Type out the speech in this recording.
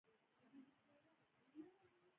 زه له خپل وجدان سره رښتینی یم.